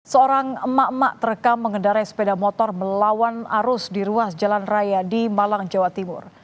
seorang emak emak terekam mengendarai sepeda motor melawan arus di ruas jalan raya di malang jawa timur